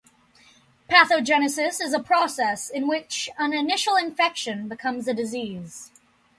Pathogenesis is a process in which an initial infection becomes a disease.